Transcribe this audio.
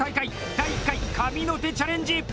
第１回神の手チャレンジ。